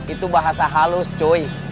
itu bahasa halus cuy